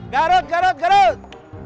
garut garut garut